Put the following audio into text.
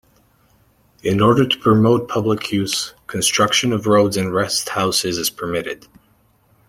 In order to promote public use, construction of roads and rest houses is permitted.